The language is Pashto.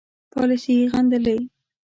پالیسي یې غندلې.